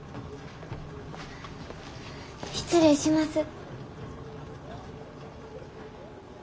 失礼します。